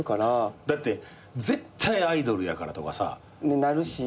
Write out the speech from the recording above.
だって絶対「アイドルやから」とかなるやん。